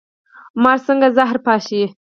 مار څنګه زهر پاشي؟